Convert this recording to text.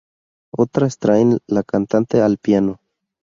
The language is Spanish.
Otras traen la cantante al piano.